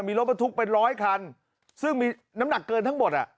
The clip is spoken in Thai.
มีรถบรรทุกเป็นร้อยคันซึ่งมีน้ำหนักเกินทั้งหมดอ่ะ